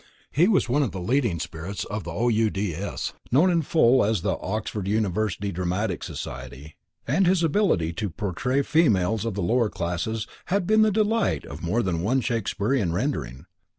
He was one of the leading spirits of the OUDS, known in full as the Oxford University Dramatic Society, and his ability to portray females of the lower classes had been the delight of more than one Shakespearean rendering.